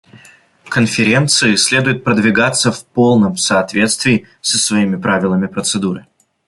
Конференции следует продвигаться в полном соответствии со своими правилами процедуры.